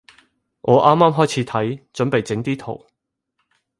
我啱啱開始睇，準備整啲圖